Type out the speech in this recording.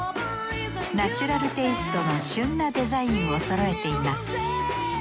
ナチュラルテイストの旬なデザインをそろえています。